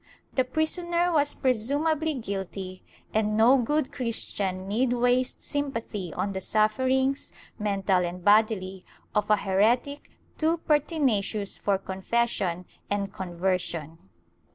The prisoner was presumably guilty and no good Christian need waste sympathy on the sufferings, mental and bodily, of a heretic too pertinacious for confession and conversion.